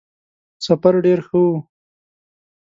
سفر ډېر ښه وو.